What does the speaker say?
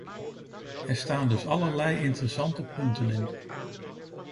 Er staan dus allerlei interessante punten in.